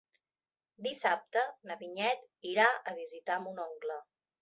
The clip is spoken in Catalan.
Dissabte na Vinyet irà a visitar mon oncle.